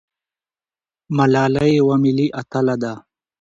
ملالۍ یوه ملي اتله ده.